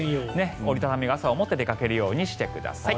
折り畳み傘を持って出かけるようにしてください。